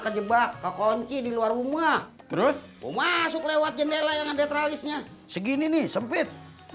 kejebak kekunci di luar rumah terus masuk lewat jendela yang ada tralisnya segini nih sempit